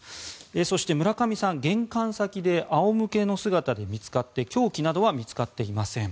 そして、村上さん、玄関先で仰向けの姿で見つかって凶器などは見つかっていません。